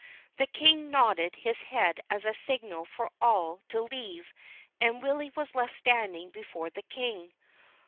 The King nodded his head as a signal for all to leave, and Willy was left standing before the King.